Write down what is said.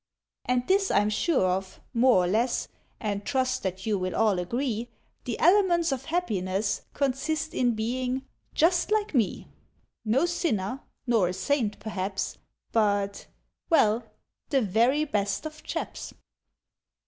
And this I'm sure of, more or less, And trust that you will all agree, The Elements of Happiness Consist in being just like Me; No sinner, nor a saint perhaps, But well, the very best of chaps.